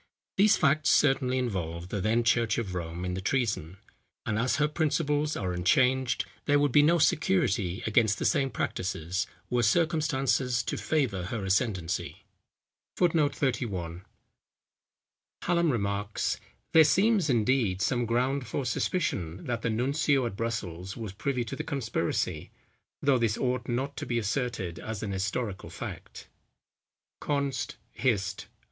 These facts certainly involve the then church of Rome in the treason; and as her principles are unchanged, there would be no security against the same practices, were circumstances to favour her ascendency. [Footnote 31: Hallam remarks, "There seems, indeed, some ground for suspicion, that the Nuncio at Brussels was privy to the conspiracy; though this ought not to be asserted as an historical fact." _Const. Hist.